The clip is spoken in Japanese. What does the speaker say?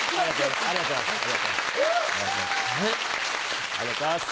ありがとうございます。